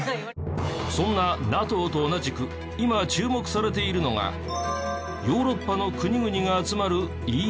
そんなＮＡＴＯと同じく今注目されているのがヨーロッパの国々が集まるＥＵ。